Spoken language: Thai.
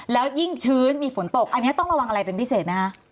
แล้วยิ่งชื้นมีฝนตกอันนี้ต้องระวังอะไรเป็นพิเศษไหมคะ